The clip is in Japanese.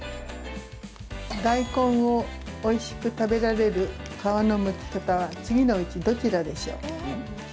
大根をおいしく食べられる皮のむき方は次のうちどちらでしょう？